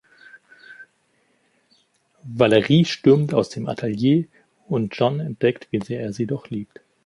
Valerie stürmt aus dem Atelier und John entdeckt, wie sehr er sie doch liebt.